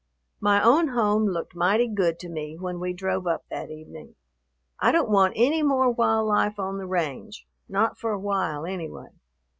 My own home looked mighty good to me when we drove up that evening. I don't want any more wild life on the range, not for a while, anyway.